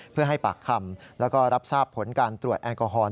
เพื่อให้ปากคำแล้วก็รับทราบผลการตรวจแอลกอฮอล